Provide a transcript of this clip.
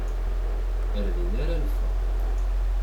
Ar dinna ara neffeɣ.